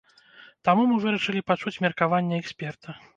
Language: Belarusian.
Таму мы вырашылі пачуць меркаванне эксперта.